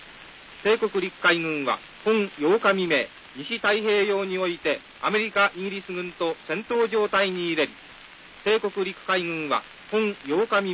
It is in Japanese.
帝国陸海軍は本８日未明西太平洋においてアメリカイギリス軍と戦闘状態に入れり。